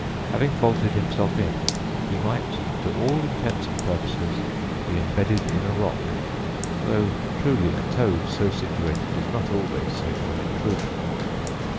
Having bolted himself in, he might to all intents and purposes be imbedded in a rock (though truly a toad so situated is not always safe from intrusion).